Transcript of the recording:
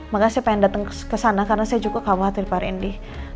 makanya saya pengen datang ke sana karena saya juga khawatir pak randy